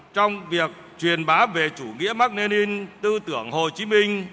trong việc truyền bá về chủ nghĩa mắc nên in tư tưởng hồ chí minh